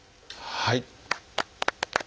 はい。